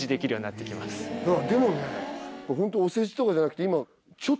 でもねホントお世辞とかじゃなくて今。